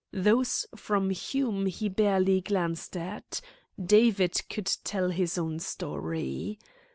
Those from Hume he barely glanced at. David could tell his own story.